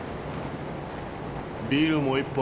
ビールもう１本。